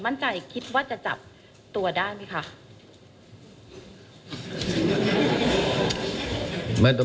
มั่นใจคิดว่าจะจับตัวได้ไหมคะ